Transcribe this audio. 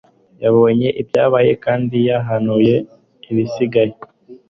Yabonye ibyabaye kandi yahanuye ibisigaye